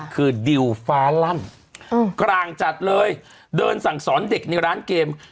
คือดิวฟ้าลั่นกลางจัดเลยเดินสั่งสอนเด็กในร้านเกม